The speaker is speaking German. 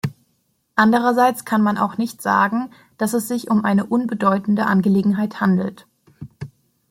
Andererseits kann man auch nicht sagen, dass es sich um eine unbedeutende Angelegenheit handelt.